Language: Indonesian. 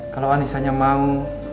kalau anissanya mau